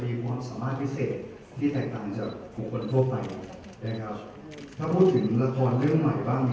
เป็นเรื่องของตัวคุณเองบทบาทถึงแบบไหน